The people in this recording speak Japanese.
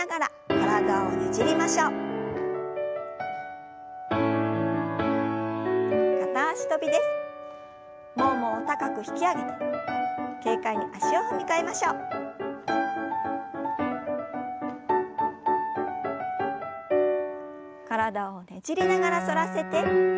体をねじりながら反らせて斜め下へ。